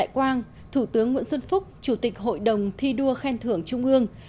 chủ tướng nguyễn xuân phúc chủ tịch hội đồng thi đua khen thưởng trung ương